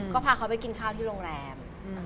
ก็พาเขาไปกินข้าวที่โรงแรม